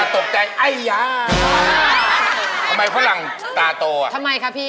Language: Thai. อ๋อตากลัวเลยตี